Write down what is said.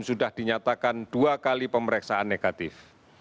sudah dinyatakan dua kali pemeriksaan negatif